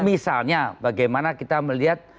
misalnya bagaimana kita melihat